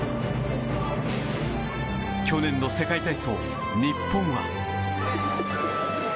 去年の世界体操、日本は。